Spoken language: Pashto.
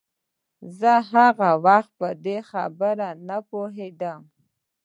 زه هغه وخت په دې خبره نه پوهېدم.